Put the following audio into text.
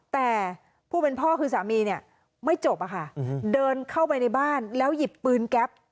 แต่ผู้เป็นพ่อคือสามีเนี่ยไม่จบอะค่ะเดินเข้าไปในบ้านแล้วหยิบปืนแก๊ป